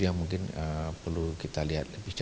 tapi kita melua aplikasi kenubgan distance